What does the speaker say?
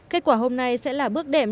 kết quả hôm nay sẽ là bước đệm